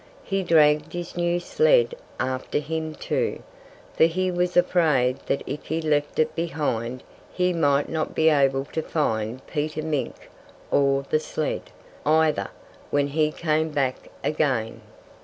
He dragged his new sled after him, too; for he was afraid that if he left it behind he might not be able to find Peter Mink or the sled, either when he came back again.